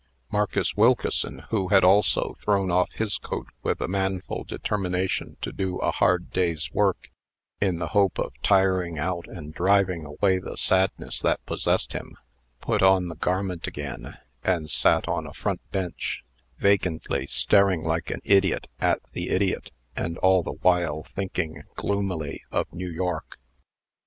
Marcus Wilkeson, who had also thrown off his coat with a manful determination to do a hard day's work, in the hope of tiring out and driving away the sadness that possessed him, put on the garment again, and sat on a front bench, vacantly staring like an idiot at the idiot, and all the while thinking, gloomily, of New York.